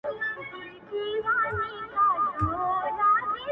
لېونو ته لېونی پاچا ښکارېږي -